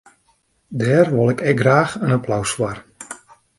Dêr wol ik ek graach in applaus foar.